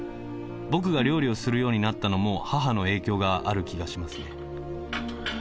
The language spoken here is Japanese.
僕が料理をするようになったのも母の影響がある気がしますね。